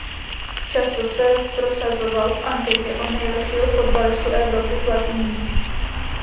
Často se prosazoval v anketě o nejlepšího fotbalistu Evropy Zlatý míč.